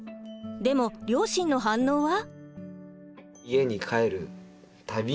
でも両親の反応は？